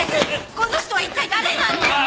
この人は一体誰なんですか？